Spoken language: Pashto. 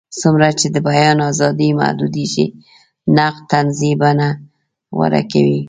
څومره چې د بیان ازادي محدودېږي، نقد طنزي بڼه غوره کوي.